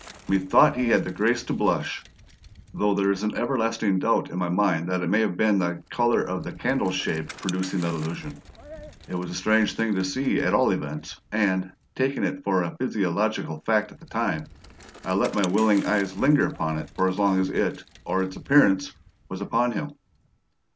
Methought he had the grace to blush, though there is an everlasting doubt in my mind that it may have been the colour of the candle shade producing that illusion. It was a strange thing to see, at all events, and, taking it for a physiological fact at the time, I let my willing eyes linger upon it as long as it (or its appearance) was upon him.